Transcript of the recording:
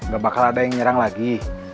gak bakal ada yang nyerang lagi